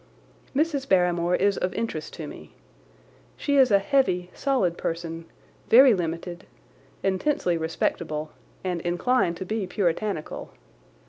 Mrs. Barrymore is of interest to me. She is a heavy, solid person, very limited, intensely respectable, and inclined to be puritanical.